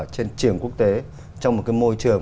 trên trường quốc tế trong một môi trường